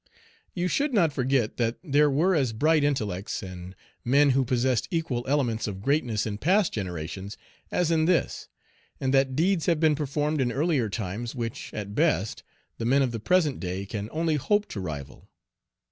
You should not forget that there were as bright intellects, and men who possessed equal elements of greatness in past generations as in this, and that deeds have been performed in earlier times which, at best, the men of the present day can only hope to rival.